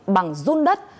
bằng dung đất